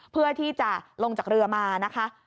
เพื่อที่จะลงจากเรือมานะคะ